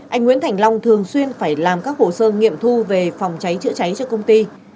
anh nguyễn thành long thường xuyên phải làm các hồ sơ nghiệm thu về phòng cháy chữa cháy cho công ty